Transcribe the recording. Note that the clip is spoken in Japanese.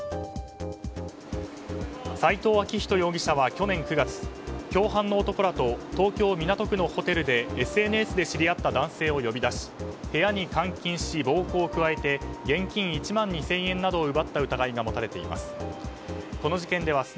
斎藤明人容疑者は去年９月共犯の男らと東京・港区のホテルでＳＮＳで知り合った男性を呼び出し部屋に監禁し暴行を加えて現金１万２０００円などを奪った疑いが持たれています。